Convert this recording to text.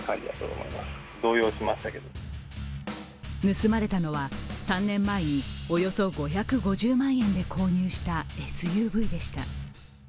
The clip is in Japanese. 盗まれたのは３年前におよそ５５０万円で購入したＳＵＶでした。